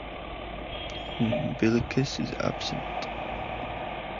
The umbilicus is absent.